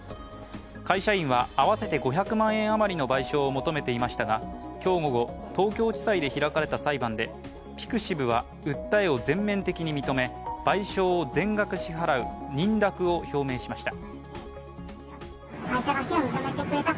会社員は、合わせて５００万円余りの賠償を求めていましたが、今日午後、東京地裁で開かれた裁判でピクシブは訴えを全面的に認め賠償を全額支払う認諾を表明しました。